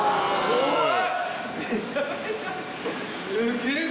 すごい。